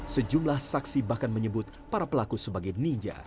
sejumlah saksi bahkan menyebut para pelaku sebagai ninja